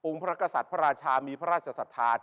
พระกษัตริย์พระราชามีพระราชสัทธา